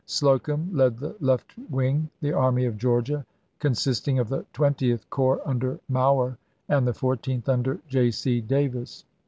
Slocum led the left wing, — the Army of Georgia, — consist ing of the Twentieth Corps under Mower, and the Fourteenth under J. C. Davis.